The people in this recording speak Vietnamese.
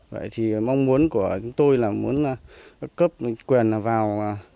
vậy thì mong muốn của chúng tôi là muốn cấp quyền vào